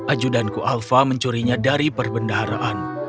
ajudanku alfa mencurinya dari perbendaharaan